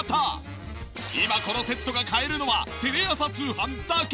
今このセットが買えるのはテレ朝通販だけ！